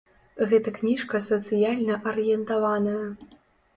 Гэта кніжка сацыяльна арыентаваная.